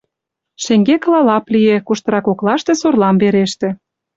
Шеҥгекыла лап лие, куштыра коклаште сорлам вереште.